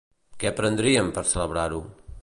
Què prendrien, per celebrar-ho?